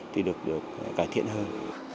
thì được cải thiện hơn